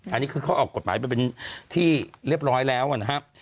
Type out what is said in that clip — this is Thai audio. อันนี้คือเขาออกกฎหมายไปเป็นที่เรียบร้อยแล้วนะครับ